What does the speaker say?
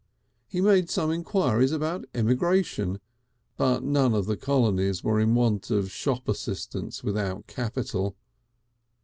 He made some enquiries about emigration, but none of the colonies were in want of shop assistants without capital.